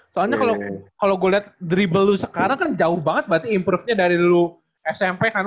soalnya kalo gua liat dribble lu sekarang kan jauh banget berarti improve nya dari lu smp kan